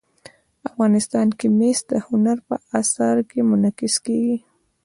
افغانستان کې مس د هنر په اثار کې منعکس کېږي.